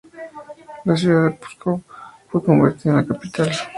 La ciudad de Pskov fue convertida en la capital.